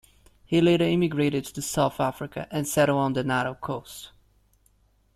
He later emigrated to South Africa and settled on the Natal coast.